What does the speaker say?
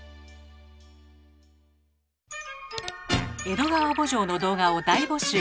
「江戸川慕情」の動画を大募集。